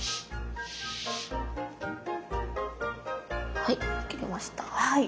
はい切りました。